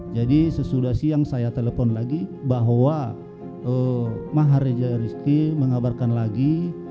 jadi sesudah siang saya telpon lagi bahwa maharija rizki mengabarkan lagi